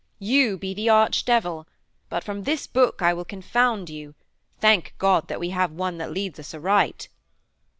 You be the Arch Devil. But from this book I will confound you. Thank God that we have one that leads us aright.'